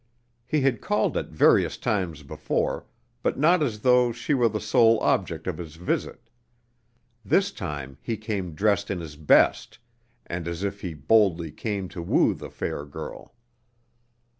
He had called at various times before, but not as though she were the sole object of his visit. This time he came dressed in his best and as if he boldly came to woo the fair girl.